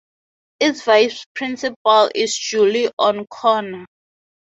Its vice-principal is Julie O'Connor.